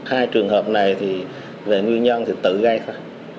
hai trường hợp này về nguyên nhân tự gây ra